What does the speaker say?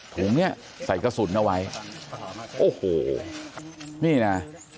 ถุงเนี้ยใส่กระสุนเอาไว้โอ้โหนี่นะ